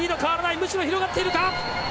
むしろ広がっているか。